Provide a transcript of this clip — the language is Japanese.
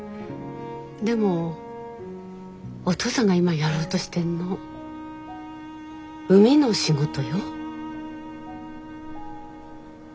でもおとうさんが今やろうとしてんの海の仕事よ？